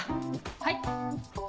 はい。